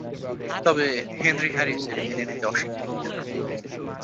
তবে Henry Harris এটি মেনে নিতে অস্বীকৃতি জানান।